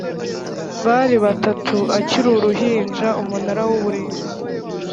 bari batatu akiri uruhinja umunara w’umurinzi